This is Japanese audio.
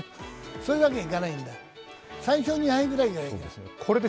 そういうわけにはいかないんだ、３勝２敗ぐらいで。